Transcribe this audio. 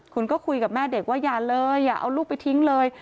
คุณก็คุยกับแม่เด็กว่าอย่าเลยอย่าเอาลูกไปทิ้งเลย